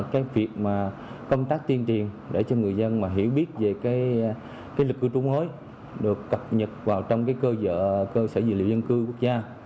cái việc mà công tác tiên triền để cho người dân mà hiểu biết về cái lịch cư trung hối được cập nhật vào trong cái cơ sở dữ liệu dân cư quốc gia